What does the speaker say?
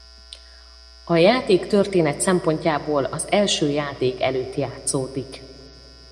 A játék történet szempontjából az első játék előtt játszódik.